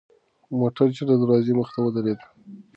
موټر ژر د دروازې مخې ته ودرېد.